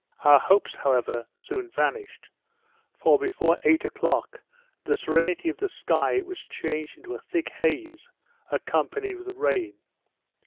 Our hopes, however, soon vanished; for before eight o'clock, the serenity of the sky was changed into a thick haze, accompanied with rain.